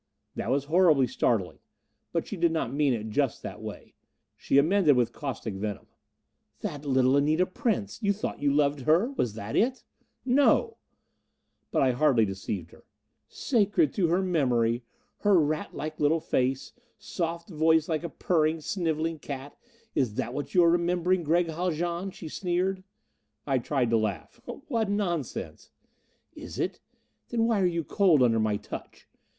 That was horribly startling; but she did not mean it just that way. She amended with caustic venom: "That little Anita Prince! You thought you loved her! Was that it?" "No!" But I hardly deceived her. "Sacred to her memory! Her ratlike little face soft voice like a purring, sniveling cat! Is that what you're remembering, Gregg Haljan?" she sneered. I tried to laugh. "What nonsense!" "Is it? Then why are you cold under my touch?